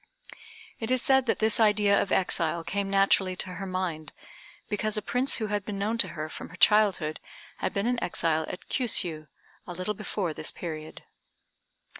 It is said that this idea of exile came naturally to her mind, because a prince who had been known to her from her childhood had been an exile at Kiûsiû, a little before this period.